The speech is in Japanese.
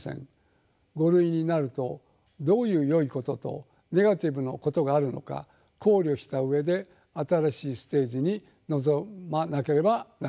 「５類」になるとどういうよいこととネガティブなことがあるのか考慮した上で新しいステージに臨まなければなりません。